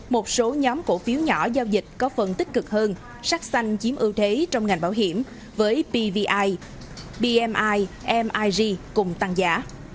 một số nhóm cổ phiếu nhỏ giao dịch có phần tích cực hơn sắc xanh chiếm ưu thế trong ngành bảo hiểm với pvi pmi mig cùng tăng giá